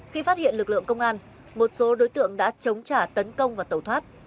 khi phát hiện lực lượng công an một số đối tượng đã chống trả tấn công và tẩu thoát